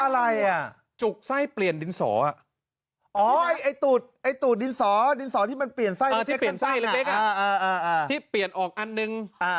อร่อยตุ่นดินสอที่เปลี่ยนออกอันนึง